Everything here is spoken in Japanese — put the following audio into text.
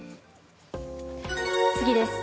次です。